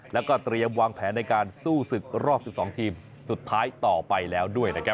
แล้วก็เตรียมวางแผนในการสู้ศึกรอบ๑๒ทีมสุดท้ายต่อไปแล้วด้วยนะครับ